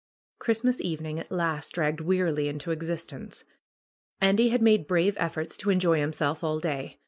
Christmas evening at last dragged wearily into exist ence. Andy had made brave efforts to enjoy himself all day.